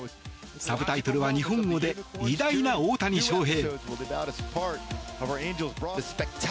サブタイトルは、日本語で「偉大な大谷翔平」。